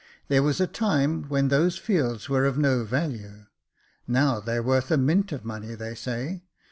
There was a time when those fields were of no value ; now they're worth a mint of money, they say.